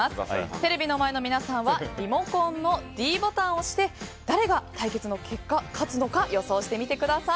テレビの前の皆さんはリモコンのｄボタンを押して誰が対決の結果、勝つのか予想してみてください。